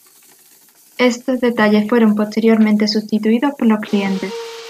Estos detalles fueron posteriormente sustituidos por los clientes.